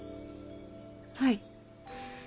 はい。